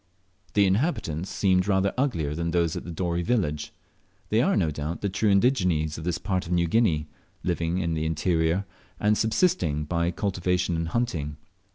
The inhabitants seemed rather uglier than those at Dorey village. They are, no doubt, the true indigenes of this part of New Guinea, living in the interior, and subsisting by cultivation and hunting.